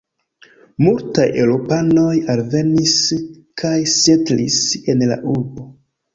Multaj eŭropanoj alvenis kaj setlis en la urbo.